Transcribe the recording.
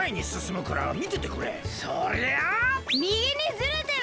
みぎにずれてる？